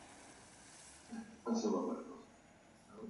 გამოსხივების სიხშირე ტალღის სიგრძის უკუპროპორციულია.